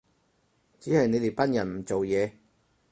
只係你哋班人唔做嘢